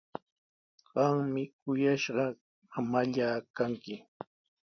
Qami kuyashqa mamallaa kanki.